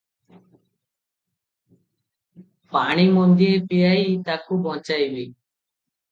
ପାଣି ମନ୍ଦିଏ ପିଆଇ ତାକୁ ବଞ୍ଚାଇବି ।